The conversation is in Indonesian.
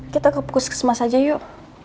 kita kepukus kesempatan aja yuk